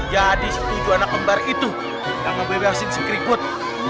jadi si tujuh anak lembar itu yang ngebebasin sekribut